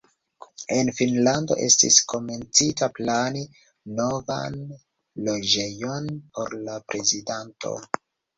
En Finnlando estis komencita plani novan loĝejon por la prezidanto.